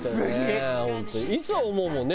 いつも思うもんね。